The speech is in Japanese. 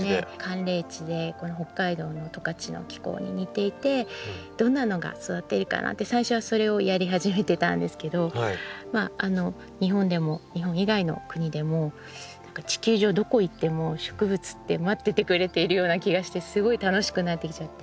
寒冷地でこの北海道の十勝の気候に似ていてどんなのが育っているかなって最初はそれをやり始めたんですけど日本でも日本以外の国でも何か地球上どこへ行っても植物って待っててくれているような気がしてすごい楽しくなってきちゃって。